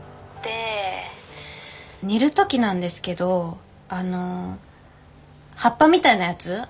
で煮る時なんですけどあの葉っぱみたいなやつ？